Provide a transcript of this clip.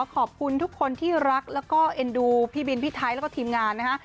ขอบคุณทุกคนที่รักแล้วก็เอ็นดูพี่บินพี่ไทยแล้วก็ทีมงานนะฮะ